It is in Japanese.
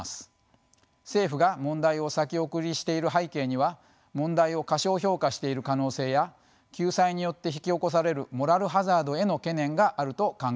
政府が問題を先送りしている背景には問題を過少評価している可能性や救済によって引き起こされるモラルハザードへの懸念があると考えています。